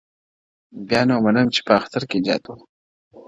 بيا نو منم چي په اختـر كي جــادو’